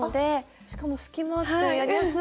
しかも隙間あってやりやすい。